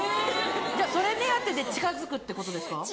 それ目当てで近づくってことですか？